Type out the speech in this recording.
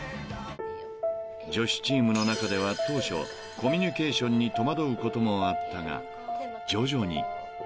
［女子チームの中では当初コミュニケーションに戸惑うこともあったが徐々に］